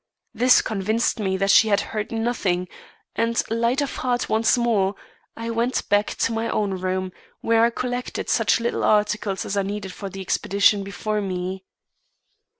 This convinced me that she had heard nothing, and, light of heart once more, I went back to my own room, where I collected such little articles as I needed for the expedition before me.